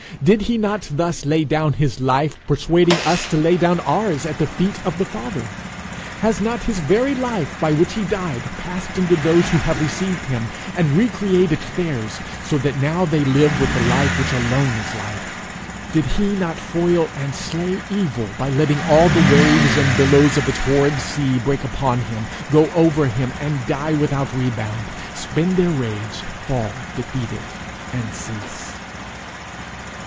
Did he not thus lay down his life persuading us to lay down ours at the feet of the Father? Has not his very life by which he died passed into those who have received him, and re created theirs, so that now they live with the life which alone is life? Did he not foil and slay evil by letting all the waves and billows of its horrid sea break upon him, go over him, and die without rebound spend their rage, fall defeated, and cease?